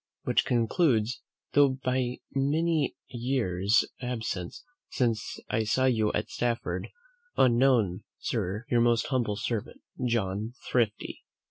Which concludes, though by many years' absence since I saw you at Stafford, unknown, Sir, your most humble servant, "JOHN THRIFTY.